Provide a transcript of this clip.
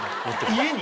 家に？